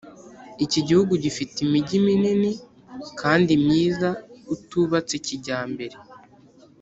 Iki gihugu gifite imigi minini kandi myiza utubatse kijyambere